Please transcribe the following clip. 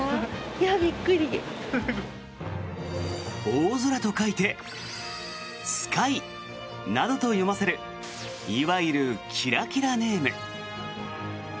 「大空」と書いて「すかい」などと読ませるいわゆるキラキラネーム。